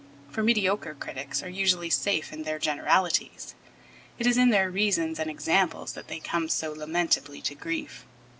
For mediocre critics are usually safe in their generalities; it is in their reasons and examples that they come so lamentably to grief.